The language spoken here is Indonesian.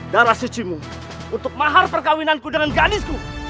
darah suci mu untuk mahar perkawinanku dengan gadisku